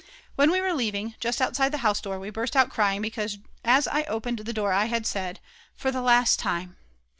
When we were leaving, just outside the house door we burst out crying because as I opened the door I had said, For the last time!